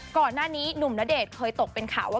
ก่อนหน้านี้หนุ่มณเดชน์เคยตกเป็นข่าวว่า